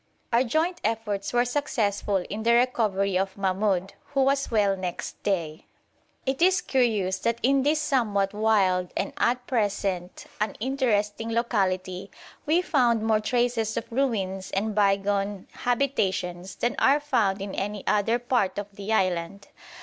Our joint efforts were successful in the recovery of Mahmoud, who was well next day. It is curious that in this somewhat wild and at present uninteresting locality we found more traces of ruins and bygone habitations than are found in any other part of the island.